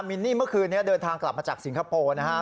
มินนี่เมื่อคืนเดียวทางกลับมาจากสิงคโปร์นะฮะ